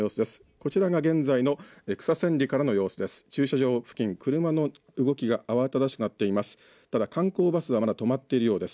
こちらが現在の草千里の様子です。